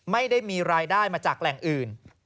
ไม่ได้มีรายได้มาจากแหล่งอื่น